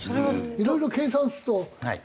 いろいろ計算するとうん。